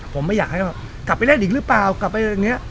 ผมไม่อยากให้แบบกลับไปเล่นอีกหรือเปล่ากลับไปอย่างนี้